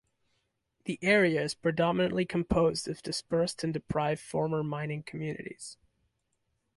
The area is predominantly composed of dispersed and deprived former mining communities.